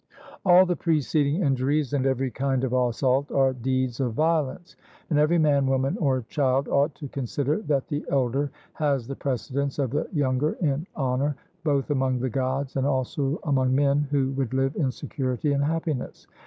All the preceding injuries and every kind of assault are deeds of violence; and every man, woman, or child ought to consider that the elder has the precedence of the younger in honour, both among the Gods and also among men who would live in security and happiness.